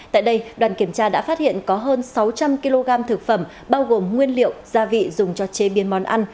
tại đây đoàn kiểm tra đã phát hiện có hơn sáu trăm linh kg thực phẩm bao gồm nguyên liệu gia vị dùng cho chế biến món ăn